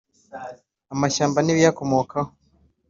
amashyamba n ibiyakomokaho.